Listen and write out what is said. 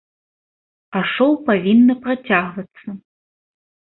А шоу павінна працягвацца.